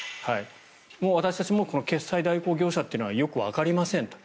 もう私たちも決済代行業者というのは全くわかりませんと。